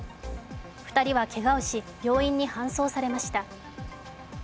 ２人はけがをし、病院に搬送されました。